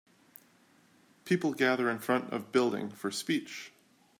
people gather in front of building for speech